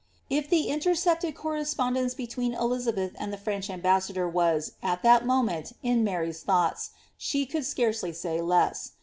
' If the intercepted correspondence between Elizabeth and the French ambassador was, at that moment, in Mary^s thoughts, she could scarcely •ay less.